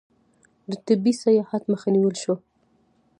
د طبي سیاحت مخه نیول شوې؟